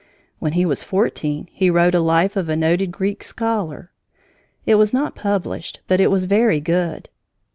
When he was fourteen, he wrote a life of a noted Greek scholar. It was not published, but it was very good.